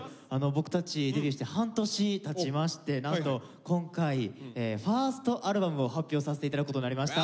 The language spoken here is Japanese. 僕たちデビューして半年たちましてなんと今回ファーストアルバムを発表させて頂くことになりました。